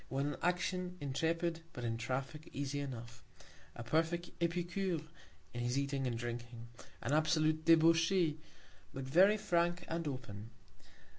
When in Action, intrepid; but in Traffick, easy enough; a perfect Epicure in his Eating and Drinking, an absolute Debauchee, but very frank and open.